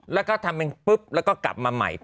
แล้วก็ทำเป็นปุ๊บแล้วก็กลับมาใหม่